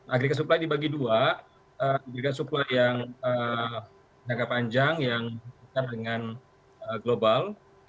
agregat supply dibagi dua agrigai supply yang jangka panjang yang berkaitan dengan global